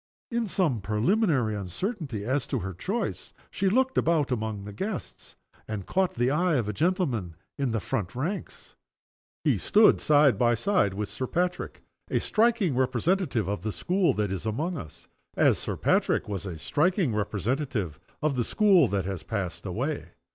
In some preliminary uncertainty as to her choice she looked about among the guests, and caught the eye of a gentleman in the front ranks. He stood side by side with Sir Patrick a striking representative of the school that is among us as Sir Patrick was a striking representative of the school that has passed away.